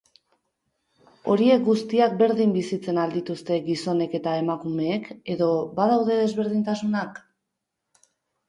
Horiek guztiak berdin bizitzen al dituzte gizonek eta emakumeek, edo badaude desberdintasunak?